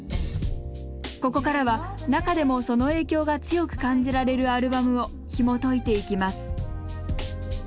ここからは中でもその影響が強く感じられるアルバムをひもといていきます